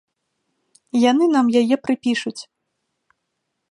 Яны нам яе прыпішуць.